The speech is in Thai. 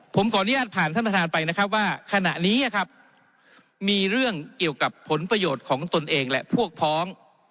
ผมขออนุญาตผ่านท่านประธานไปนะครับว่าขณะนี้ครับมีเรื่องเกี่ยวกับผลประโยชน์ของตนเองและพวกพ้อง